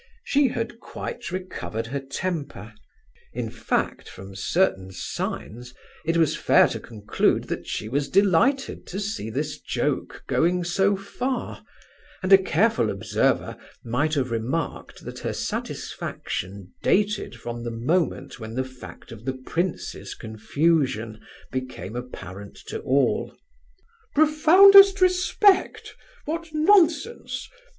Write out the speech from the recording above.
She had quite recovered her temper; in fact, from certain signs, it was fair to conclude that she was delighted to see this joke going so far; and a careful observer might have remarked that her satisfaction dated from the moment when the fact of the prince's confusion became apparent to all. "'Profoundest respect!' What nonsense!